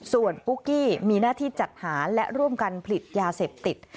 ส่วนปุ๊กกี้มีหน้าที่จัดหาและร่วมกันผลิตยาเสพติด